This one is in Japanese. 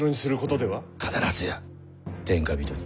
必ずや天下人に。